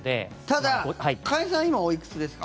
ただ、加谷さん今、おいくつですか？